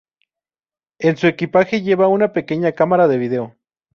En su equipaje lleva una pequeña cámara de vídeo.